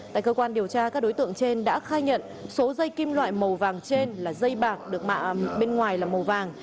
tại cơ quan điều tra các đối tượng trên đã khai nhận số dây kim loại màu vàng trên là dây bạc được mạ bên ngoài là màu vàng